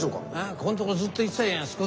ここんとこずっと言ってたじゃない。